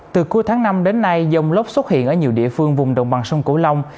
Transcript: từ cuối tháng năm đến nay dông lốc xuất hiện ở nhiều địa phương vùng đồng bằng sông cửu long